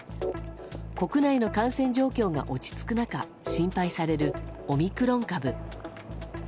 国内の感染状況が落ち着く中心配される、オミクロン株。